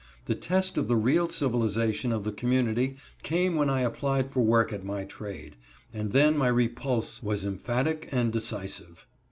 The test of the real civilization of the community came when I applied for work at my trade, and then my repulse was emphatic and decisive.